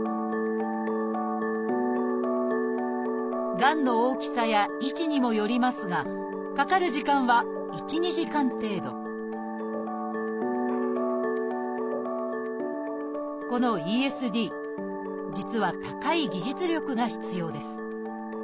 がんの大きさや位置にもよりますがかかる時間は１２時間程度このＥＳＤ実は高い技術力が必要です。